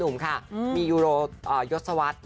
มายวโรยศวรรษ